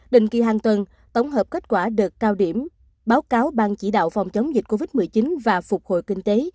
định kỳ hàng tuần tổng hợp kết quả đợt cao điểm báo cáo bang chỉ đạo phòng chống dịch covid một mươi chín và phục hồi kinh tế